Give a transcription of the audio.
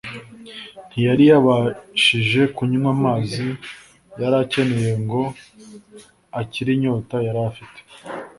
Ntiyari yabashije kunywa amazi yari akeneye ngo akire inyota yari afite,